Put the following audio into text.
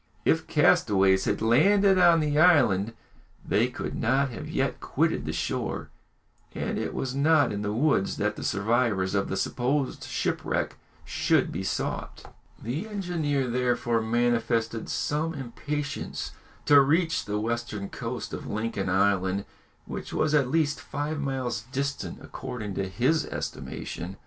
If castaways had landed on the island, they could not have yet quitted the shore and it was not in the woods that the survivors of the supposed shipwreck should be sought. [Illustration: IS IT TOBACCO?] The engineer therefore manifested some impatience to reach the western coast of Lincoln Island, which was at least five miles distant according to his estimation.